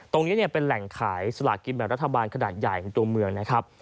ตรงนี้เนี่ยเป็นแหล่งขายสลากินแบบรัฐบาลขนาดใหญ่ของตัวเมืองนะครับ